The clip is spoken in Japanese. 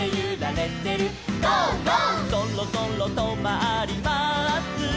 「そろそろとまります」